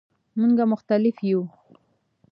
مونږ مختلف یو